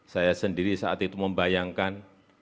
saya sendiri saat itu membayangkan